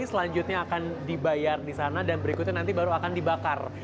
selanjutnya akan dibayar di sana dan berikutnya nanti baru akan dibakar